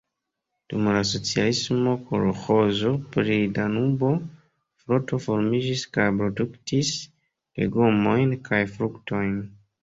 Dum la socialismo kolĥozo pri Danubo-floto formiĝis kaj produktis legomojn kaj fruktojn.